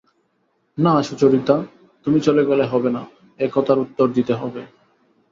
না সুচরিতা, তুমি চলে গেলে হবে না– এ কথার উত্তর দিতে হবে।